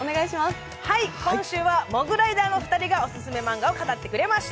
今週はモグライダーのお二人がオススメのマンガを語ってくれました。